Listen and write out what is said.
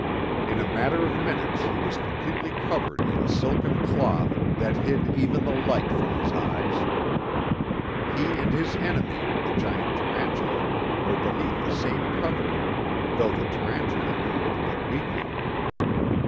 In a matter of minutes he was completely covered in a silken cloth that hid even the light from his eyes. He and his enemy, the giant tarantula, were beneath the same covering, though the tarantula moved but weakly.